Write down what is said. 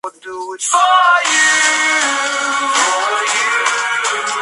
Cada organización estatal afiliada tiene un director ejecutivo y una junta directiva.